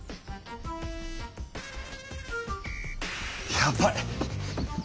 やばい！